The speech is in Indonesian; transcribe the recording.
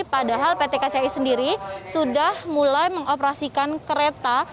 padahal pt kci sendiri sudah mulai mengoperasikan kereta